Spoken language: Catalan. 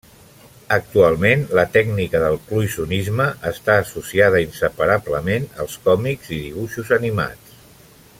Actualment, la tècnica del cloisonnisme està associada inseparablement als còmics i dibuixos animats.